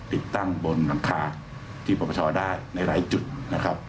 ติดตั้งบนหลังคาที่ปรปชได้ในหลายจุดนะครับ